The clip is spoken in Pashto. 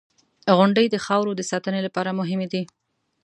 • غونډۍ د خاورو د ساتنې لپاره مهمې دي.